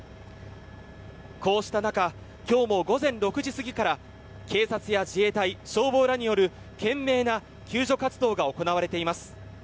こうした中今日も午前６時過ぎから警察や自衛隊、消防らによる懸命な救助活動が行われています。